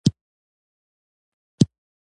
مهارتونه انسان پیاوړی کوي.